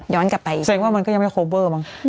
กลับไปอีกแสดงว่ามันก็ยังไม่โคเวอร์มั้ง